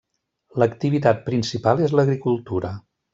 L'activitat principal és l'agricultura.